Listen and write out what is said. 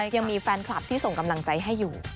ยังมีแฟนคลับที่ส่งกำลังใจให้อยู่